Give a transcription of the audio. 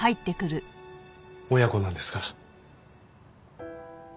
親子なんですから。